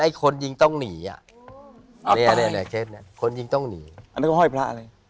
ไอ้คนยิงต้องหนีอ่ะอ๋อตายคนยิงต้องหนีอันนั้นก็ห้อยพระอะไร